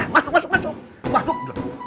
masuk masuk masuk